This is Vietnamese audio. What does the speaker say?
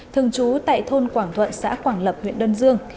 thường trú tại thôn quảng thuận xã quảng lập huyện đơn dương